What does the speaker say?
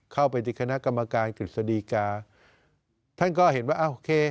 เข้าไปที่คณะกรรมการกฤษฎีกาท่านก็เห็นว่าอ้าวโอเค